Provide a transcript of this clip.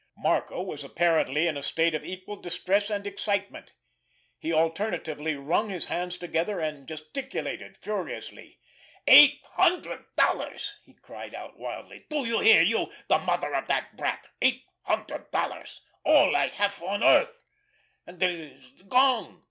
Marco was apparently in a state of equal distress and excitement. He alternatively wrung his hands together and gesticulated furiously. "Eight hundred dollars!" he cried out wildly. "Do you hear, you, the mother of that brat? Eight hundred dollars! All I have on earth! And it is gone!